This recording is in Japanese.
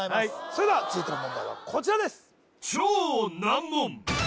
それでは続いての問題はこちらです